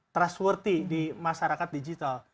trustworthy di masyarakat digital